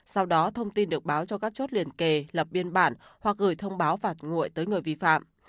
sau đó thông tin được báo cho các chốt liền kề lập biên bản hoặc gửi thông báo phạt nguội tới người vi phạm